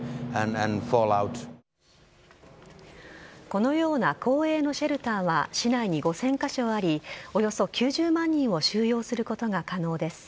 このような公営のシェルターは市内に５０００カ所ありおよそ９０万人を収容することが可能です。